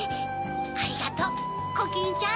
ありがとうコキンちゃん！